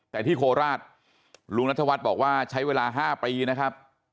แต่ที่โคราชลุงนัทวัฒน์บอกว่าใช้เวลา๕ปีนะครับ